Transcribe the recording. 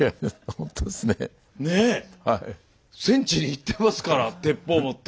戦地に行ってますから鉄砲持って。